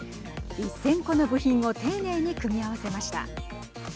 １０００個の部品を丁寧に組み合わせました。